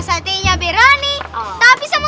satenya berani tapi sama